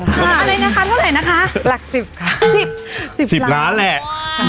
อะไรนะคะเท่าไหร่นะคะหลักสิบค่ะสิบสิบล้านแหละอืม